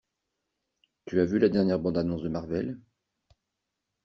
Tu as vu la dernière bande annonce de Marvel?